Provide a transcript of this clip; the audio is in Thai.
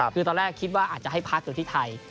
คือตอนแรกคิดว่าอาจจะให้พักอยู่ที่ไทย